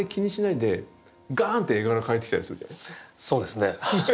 そうですね。